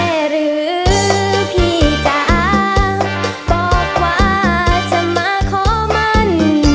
หรือพี่จ๋าบอกว่าจะมาขอมัน